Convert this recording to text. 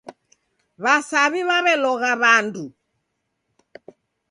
W'asaw'i w'aw'elogha w'andu.